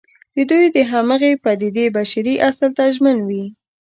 دوی د همغې پدېدې بشري اصل ته ژمن وي.